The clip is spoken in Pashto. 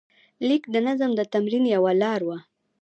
لیک د نظم د تمرین یوه لاره وه.